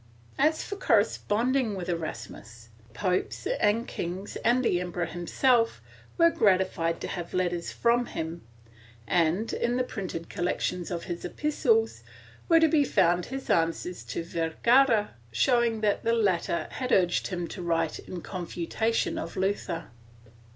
As for corre sponding with Erasmus, popes and kings and the emperor himself were gratified to have letters from him and, in the printed collec tions of his epistles, were to be found his answers to Vergara, showing that the latter had urged him to write in confutation of Luther.